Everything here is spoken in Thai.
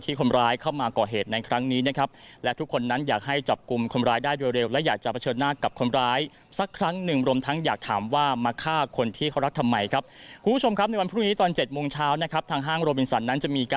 พ่อเค้านอนอยู่ตรงนั้นตรงนี้